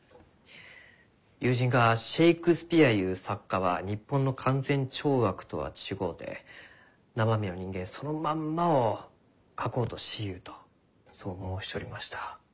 友人がシェークスピヤゆう作家は日本の勧善懲悪とは違うて生身の人間そのまんまを書こうとしゆうとそう申しちょりました。